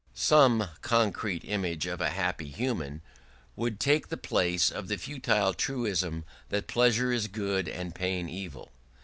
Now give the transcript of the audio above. Some concrete image of a happy human world would take the place of the futile truism that pleasure is good and pain evil.